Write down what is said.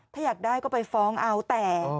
ถ้าอยากได้ก็ไปฟ้องเอาแต่